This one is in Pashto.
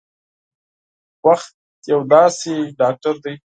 وخت یو داسې ډاکټر دی